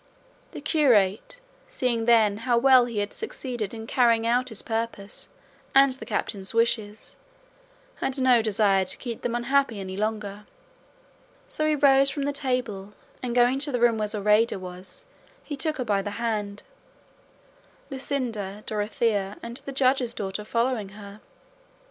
The curate, seeing, then, how well he had succeeded in carrying out his purpose and the captain's wishes, had no desire to keep them unhappy any longer, so he rose from the table and going into the room where Zoraida was he took her by the hand, Luscinda, Dorothea, and the Judge's daughter following her.